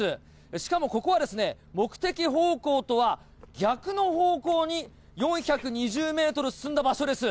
しかもここはですね、目的方向とは逆の方向に４２０メートル進んだ場所です。